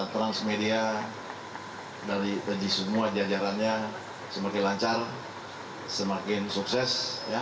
transmedia dari semua jajarannya semakin lancar semakin sukses